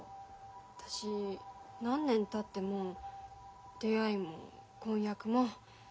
私何年たっても出会いも婚約もないタイプよ。